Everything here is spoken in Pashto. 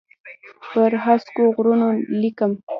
پر هسکو غرونو لیکم